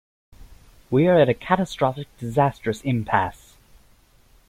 We are at a catastrophic, disastrous impasse.